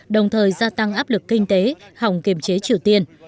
đồng thời gia tăng áp lực kinh tế hỏng kiềm chế triều tiên